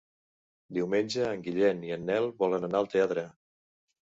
Diumenge en Guillem i en Nel volen anar al teatre.